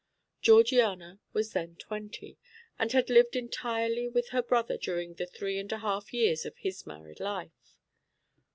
Georgiana was then twenty, and had lived entirely with her brother during the three and a half years of his married life.